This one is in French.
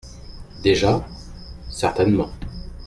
, Déjà ? Certainement.